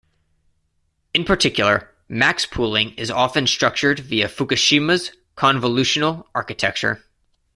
In particular, max-pooling is often structured via Fukushima's convolutional architecture.